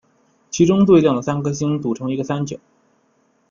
其中三颗最亮的星组成一个三角。